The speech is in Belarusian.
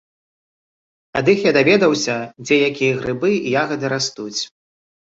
Ад іх я даведаўся, дзе якія грыбы і ягады растуць.